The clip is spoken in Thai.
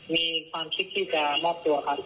มีความคิดที่จะมอบตัวครับ